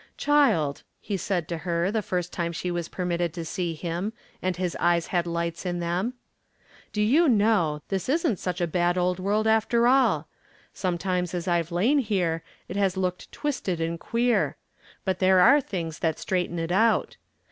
"Child," he said to her the first time she was permitted to see him, and his eyes had lights in them: "do you know, this isn't such a bad old world after all. Sometimes as I've lain here, it has looked twisted and queer. But there are things that straighten it out.